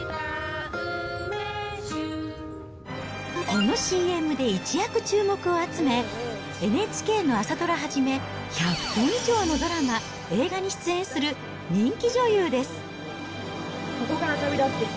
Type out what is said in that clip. このＣＭで一躍注目を集め、ＮＨＫの朝ドラはじめ、１００本以上のドラマ、映画に出演する人気女優です。